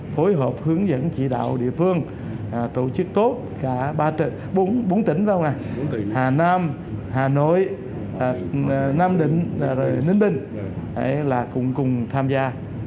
phối hợp hướng dẫn chỉ đạo địa phương tổ chức tốt cả bốn tỉnh hà nam hà nội nam định ninh bình cùng tham gia